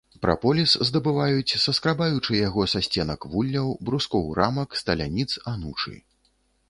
Пропаліс здабываюць, саскрабаючы яго са сценак вулляў, брускоў рамак, сталяніц, анучы.